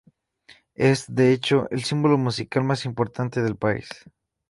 Es, de hecho, el símbolo musical más importante del país.